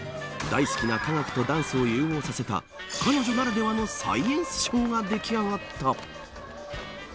大好きな科学とダンスを融合させた彼女ならではのサイエンスショーが出来上がった。